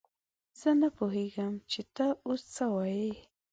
زه نه پوهېږم چې ته اوس څه وايې!